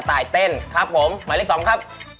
ตัวนี้นะ